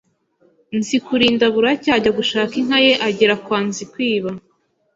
Nzikurinda buracya ajya gushaka inka ye Agera kwa Nzikwiba,